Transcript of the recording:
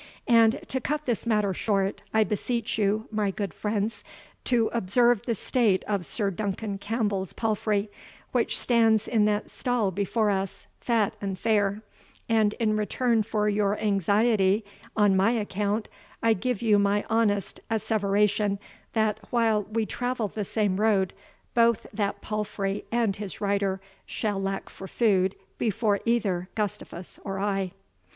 And, to cut this matter short, I beseech you, my good friends, to observe the state of Sir Duncan Campbell's palfrey, which stands in that stall before us, fat and fair; and, in return for your anxiety an my account, I give you my honest asseveration, that while we travel the same road, both that palfrey and his rider shall lack for food before either Gustavus or I."